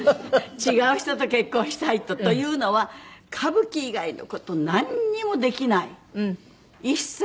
「違う人と結婚したい」と。というのは歌舞伎以外の事なんにもできない一切。